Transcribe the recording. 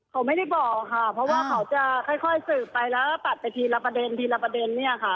เขาไม่ได้บอกค่ะเพราะว่าเขาจะค่อยสืบไปแล้วก็ตัดไปทีละประเด็นทีละประเด็นเนี่ยค่ะ